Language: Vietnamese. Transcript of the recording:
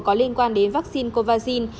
có liên quan đến vaccine covaxin